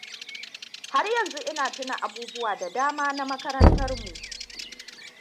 Har yanzu ina tuna abubuwa da dama na makarantarmu.